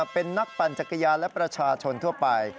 เป็นนักปั่นจักรยานและประชาชนทั่วไป